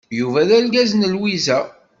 Yuba d argaz n Lwiza.